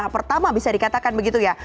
pertama bisa dikatakan begitu ya